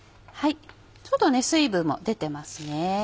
ちょっと水分も出てますね。